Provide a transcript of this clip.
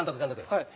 はい。